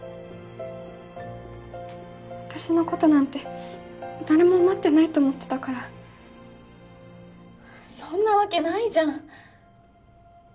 私のことなんて誰も待ってないと思ってたからそんなわけないじゃん